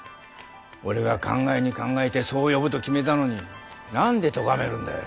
俺が考えに考えてそう呼ぶと決めたのに何で咎めるんだい。